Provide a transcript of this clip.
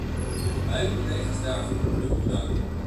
Ik wil beide collega’s daarvoor opnieuw bedanken.